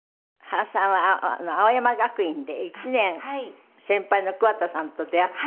原さんは青山学院で１年先輩の桑田さんと出会って。